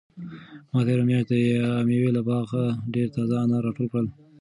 ما تېره میاشت د مېوو له باغه ډېر تازه انار راټول کړل.